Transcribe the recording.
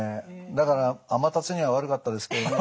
だからアマタツには悪かったですけどね